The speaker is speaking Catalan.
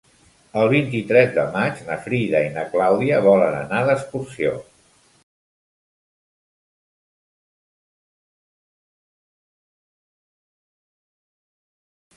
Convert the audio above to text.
El vint-i-tres de maig na Frida i na Clàudia volen anar d'excursió.